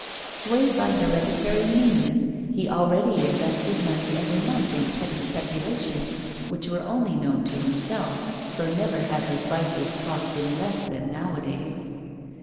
Swayed by hereditary meanness, he already invested money every month in petty speculations, which were only known to himself, for never had his vices cost him less than nowadays.